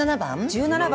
１７番。